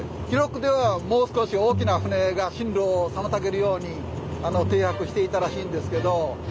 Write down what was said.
記録ではもう少し大きな船が進路を妨げるように停泊していたらしいんですけど。